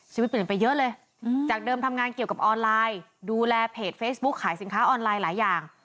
ชีวิตเปลี่ยนไปเยอะเลยจากเดิมทำงานเกี่ยวกับออนไลน์ดูแลเพจเฟซบุ๊คขายสินค้าออนไลน์หลายอย่าง